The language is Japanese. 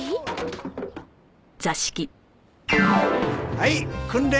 はい訓練